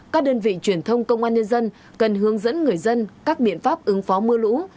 các đơn vị truyền thông công an nhân dân cần hướng dẫn người dân các biện pháp ứng phó mưa lũ